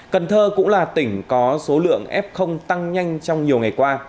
cần thơ cũng là tỉnh có số lượng f tăng nhanh trong nhiều ngày qua